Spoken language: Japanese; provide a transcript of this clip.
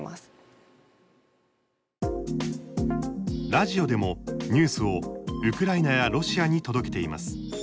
ラジオでもニュースを、ロシアやウクライナに届けています。